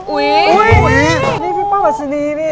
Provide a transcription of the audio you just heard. อุ๊ยนี่พี่ป้าบัสดีพี่